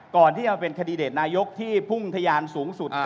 ก่อนที่จะเป็นคันดิเดตนายกที่พุ่งทะยานสูงสุด